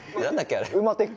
あれ。